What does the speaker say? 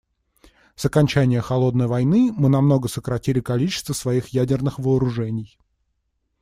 С окончания "холодной войны" мы намного сократили количество своих ядерных вооружений.